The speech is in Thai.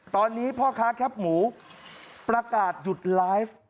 ตอนนี้พ่อค้าแคปหมูประกาศหยุดไลฟ์